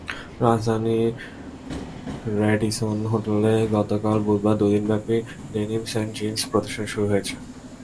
রাজধানীর র্যাডিসন হোটেলে গতকাল বুধবার দুই দিনব্যাপী ডেনিমস অ্যান্ড জিনস প্রদর্শনী শুরু হয়েছে।